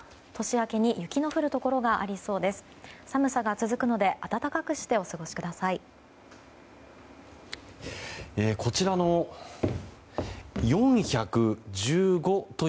寒さが続くので暖かくしてお過ごしください。